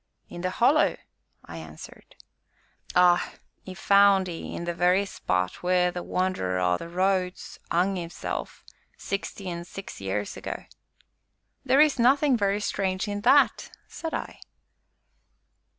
"In the Hollow," I answered. "Ay, 'e found 'ee in the very spot wheer the Wanderer o' the Roads 'ung 'isself, sixty an' six years ago." "There is nothing very strange in that!" said I.